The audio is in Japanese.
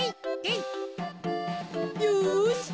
よし！